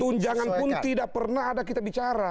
tunjangan pun tidak pernah ada kita bicara